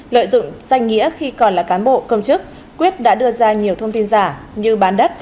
lợi dụng danh nghĩa khi còn là cán bộ công chức quyết đã đưa ra nhiều thông tin giả như bán đất